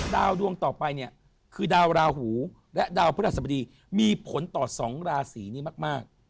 ดวงต่อไปเนี่ยคือดาวราหูและดาวพระราชสบดีมีผลต่อ๒ราศีนี้มาก